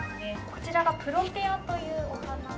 こちらがプロテアというお花に。